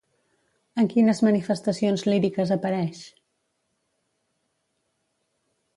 En quines manifestacions líriques apareix?